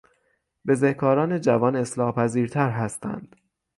بزهکاران جوان اصلاحپذیرتر هستند.